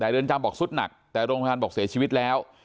แต่เรือนจำบอกสุดหนักแต่โรงพยาบาลบอกเสียชีวิตแล้ว